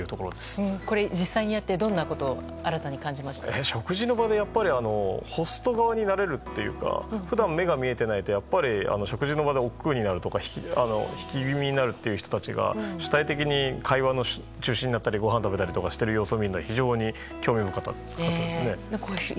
これ、実際にやってどんなことを食事の場でホスト側になれるというか普段、目が見えていないと食事の場でおっくうになるとか引き気味になる人が主体的に会話の中心になったりごはんを食べたりする様子を見るのは非常に興味深かったですね。